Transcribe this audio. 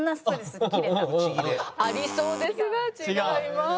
ありそうですが違います。